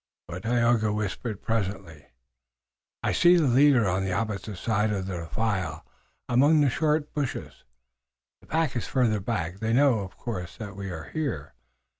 But Tayoga whispered presently: "I see the leader on the opposite side of the defile among the short bushes. The pack is farther back. They know, of course, that we are here.